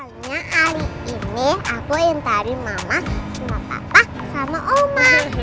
seharusnya hari ini aku yang tarik mama sama papa sama oma